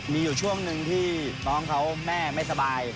มีอยู่ช่วงหนึ่งที่น้องเขาแม่ไม่สบาย